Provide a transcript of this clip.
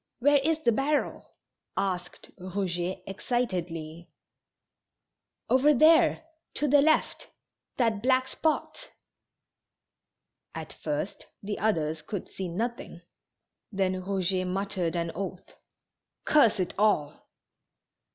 Where is the barrel?" asked Eouget, excitedly. "Over there, to the left; that black spot." At first the others could see nothing, then Eouget muttered an oath : "Curse it all